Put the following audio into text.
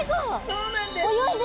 そうなんです。